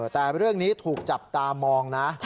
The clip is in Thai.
แต่เรื่องนี้ถูกจับตามองนะ